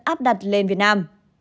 áp đặt lên việt nam